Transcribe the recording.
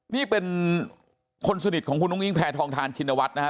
นี่เป็นคนสนิทของคุณอุ้งอิงแพทองทานชินวัฒน์นะฮะ